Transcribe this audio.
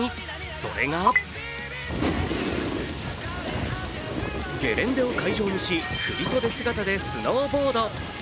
それがゲレンデを会場にし、振り袖姿でスノーボード。